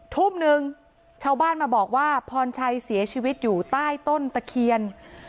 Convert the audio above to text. ทุ่มนึงชาวบ้านมาบอกว่าพรชัยเสียชีวิตอยู่ใต้ต้นตะเคียน